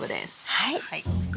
はい。